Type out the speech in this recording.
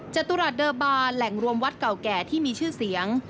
จตุรัสเดอร์บาร์แหล่งรวมวัดเก่าแก่ที่มีชื่อเสียง